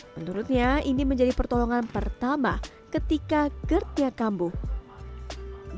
menurutnya ini menjadi pertolongan pertama ketika gerd nya kambuh berubah